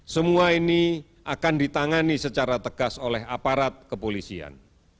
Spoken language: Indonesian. semua ini akan ditangani secara tegas oleh aparat kepolisian